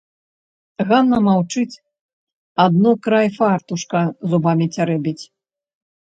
Ганна маўчыць, адно край фартушка зубамі цярэбіць.